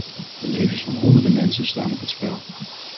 De levens van honderden mensen staan op het spel.